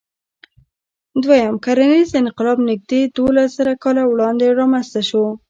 دوهیم کرنیز انقلاب نږدې دولسزره کاله وړاندې رامنځ ته شو.